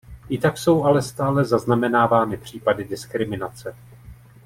I tak jsou ale stále zaznamenávány případy diskriminace.